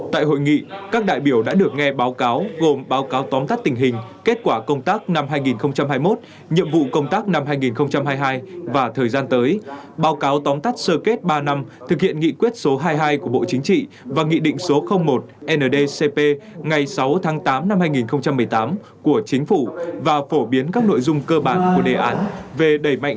tại hội nghị các đại biểu đã được nghe báo cáo gồm báo cáo tóm tắt tình hình kết quả công tác năm hai nghìn hai mươi một nhiệm vụ công tác năm hai nghìn hai mươi hai và thời gian tới báo cáo tóm tắt sơ kết ba năm thực hiện nghị quyết số hai mươi hai của bộ chính trị và nghị định số một ndcp ngày sáu tháng tám năm hai nghìn một mươi tám của chính phủ và phổ biến các nội dung cơ bản của đề án